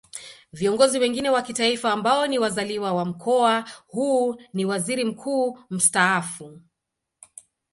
Viongozi wengine wa Kitaifa ambao ni wazaliwa wa Mkoa huu ni Waziri Mkuu Mstaafu